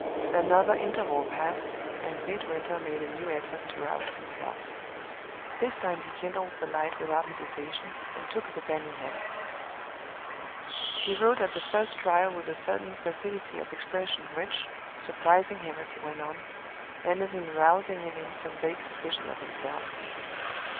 Another interval passed, and Midwinter made a new effort to rouse himself. This time he kindled the light without hesitation, and took the pen in hand. He wrote at the first trial with a sudden facility of expression, which, surprising him as he went on, ended in rousing in him some vague suspicion of himself.